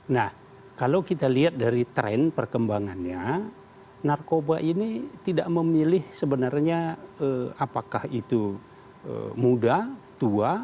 nah kalau kita lihat dari tren perkembangannya narkoba ini tidak memilih sebenarnya apakah itu muda tua